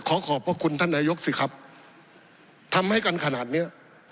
ขอขอบพระคุณท่านนายกสิครับทำให้กันขนาดเนี้ย